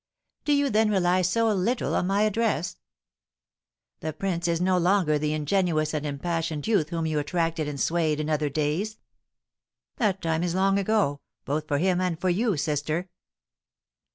"Do you then rely so little on my address?" "The prince is no longer the ingenuous and impassioned youth whom you attracted and swayed in other days; that time is long ago, both for him and for you, sister."